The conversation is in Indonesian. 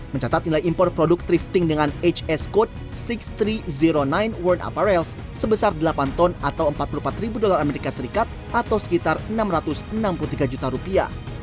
mencatat nilai impor produk drifting dengan hs code enam tiga zero sembilan world aparels sebesar delapan ton atau empat puluh empat ribu dolar as atau sekitar enam ratus enam puluh tiga juta rupiah